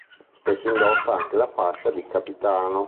Spesso indossa anche la fascia di capitano.